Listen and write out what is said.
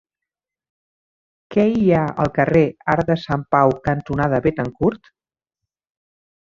Què hi ha al carrer Arc de Sant Pau cantonada Béthencourt?